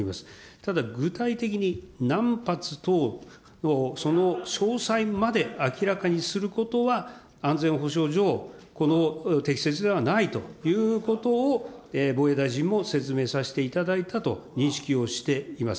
ただ、具体的に何発等その詳細まで明らかにすることは安全保障上、適切ではないということを、防衛大臣も説明させていただいたと認識をしています。